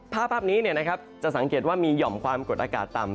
ภาพนี้จะสังเกตว่ามีห่อมความกดอากาศต่ำ